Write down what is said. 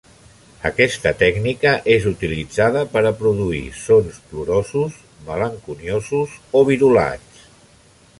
Aquesta tècnica és utilitzada per a produir sons plorosos, malenconiosos o virolats.